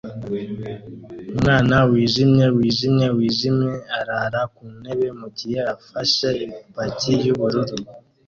Umwana wijimye wijimye wijimye arara kuntebe mugihe afashe ipaki yubururu